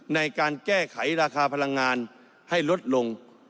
ในการแก้ไขราคาพลังงานให้ลดลง